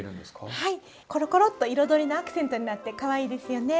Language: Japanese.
はいころころっと彩りのアクセントになってかわいいですよね。